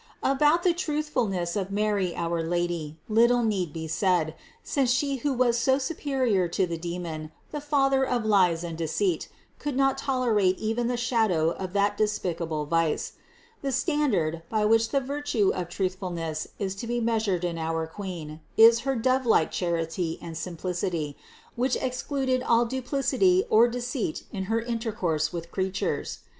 About the truthfulness of Mary our Lady, little need be said, since She who was so superior to the demon, the father of lies and deceit, could not tolerate even the shadow of that despicable vice. The standard, by which the virtue of truthfulness is to be measured in our Queen, is her dove like charity and simplicity, which excluded all duplicity or deceit in her intercourse with creatures.